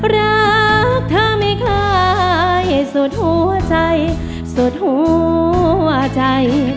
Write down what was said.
รักเธอไม่คล้ายสุดหัวใจสุดหัวใจ